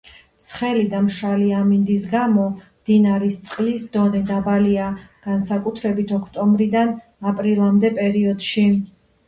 ცხელი და მშრალი ამინდის გამო მდინარის წყლის დონე დაბალია, განსაკუთრებით, ოქტომბრიდან აპრილამდე პერიოდში.